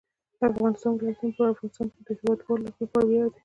د افغانستان ولايتونه د افغانستان د هیوادوالو لپاره ویاړ دی.